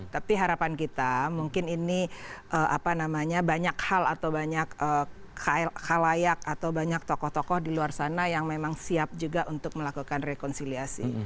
tapi harapan kita mungkin ini banyak hal atau banyak halayak atau banyak tokoh tokoh di luar sana yang memang siap juga untuk melakukan rekonsiliasi